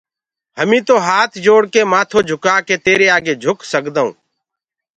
هميٚ تو هآت جوڙّڪي مآٿو جھڪآڪي تيري آگي جھڪ سگدآئو اور